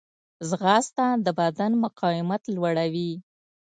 ځغاسته د بدن مقاومت لوړوي